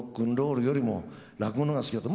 ルよりも落語の方が好きだった。